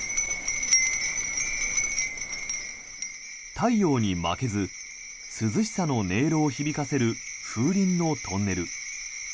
太陽に負けず涼しさの音色を響かせる風鈴のトンネル。